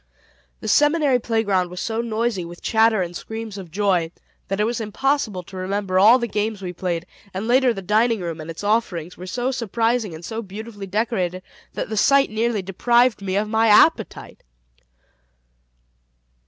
The Seminary playground was so noisy with chatter and screams of joy, that it was impossible to remember all the games we played; and later the dining room and its offerings were so surprising and so beautifully decorated that the sight nearly deprived me of my appetite.